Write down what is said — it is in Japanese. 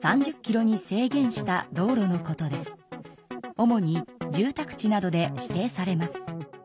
主に住たく地などで指定されます。